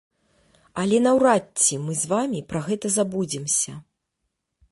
Але наўрад ці мы з вамі пра гэта забудземся.